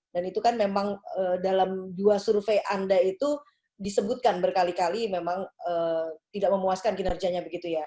dan itu kan memang dalam dua survei anda itu disebutkan berkali kali memang tidak memuaskan kinerjanya